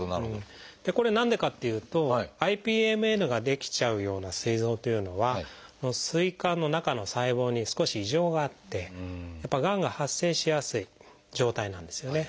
これ何でかっていうとＩＰＭＮが出来ちゃうようなすい臓というのは膵管の中の細胞に少し異常があってやっぱりがんが発生しやすい状態なんですよね。